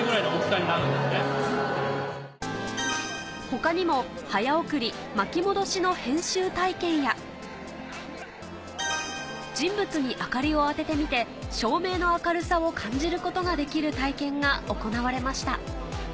他にも早送り巻き戻しの人物に明かりを当ててみて照明の明るさを感じることができる体験が行われました